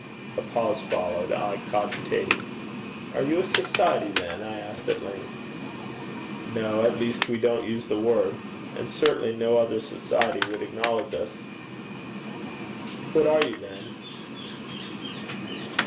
A pause followed, I cogitating. 'Are you a society, then?' I asked at length. 'No. At least we don't use the word. And certainly no other society would acknowledge us.' 'What are you, then?'